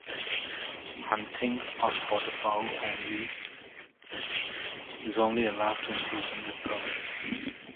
Hunting (of waterfowl only) is only allowed in season with permits.